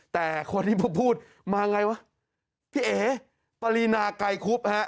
แต่คนที่พูดมาไงพี่เอ๋ปรีนาใกล่คุบ